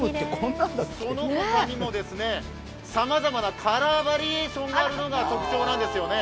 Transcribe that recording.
そのほかにもさまざまなカラーバリエーションがあるのが特徴なんです。